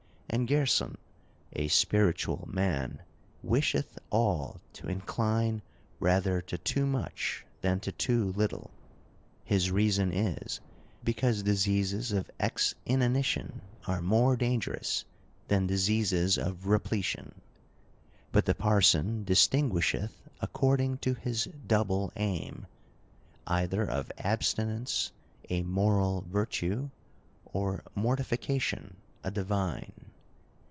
And Gerson, a spiritual man, wisheth all to incline rather to too much, than to too little ; his reason is, because diseases of exinanition are more dangerous than diseases of repletion. But the parson distinguish eth according to his double aim ; either of abstinence a moral virtue, or mortification a divine.